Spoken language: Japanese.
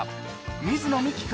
水野美紀君